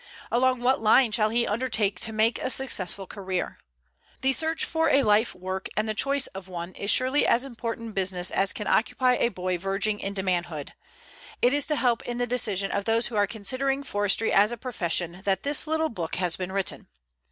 Along what line shall he undertake to make a successful career? The search for a life work and the choice of one is surely as important business as can occupy a boy verging into manhood. It is to help in the decision of those who are considering forestry as a profession that this little book has been written.